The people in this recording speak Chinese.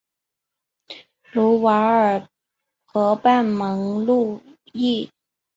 卢瓦尔河畔蒙路易。